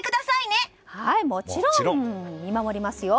もちろん見守りますよ！